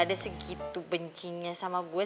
ada segitu bencinya sama gue